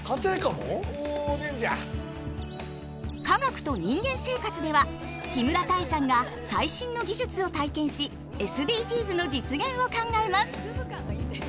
「科学と人間生活」では木村多江さんが最新の技術を体験しＳＤＧｓの実現を考えます。